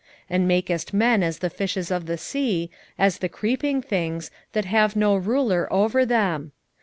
1:14 And makest men as the fishes of the sea, as the creeping things, that have no ruler over them?